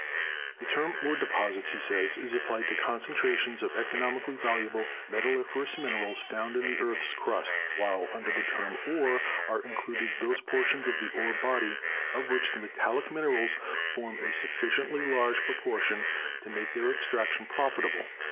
"The term ore deposits," he says, "is applied to concentrations of economically valuable metalliferous minerals found in the earth's crust, while under the term 'ore' are included those portions of the ore body of which the metallic minerals form a sufficiently large proportion to make their extrac tion profitable.